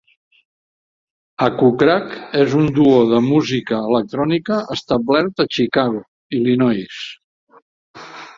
Acucrack és un duo de música electrònica establert a Chicago (Illinois).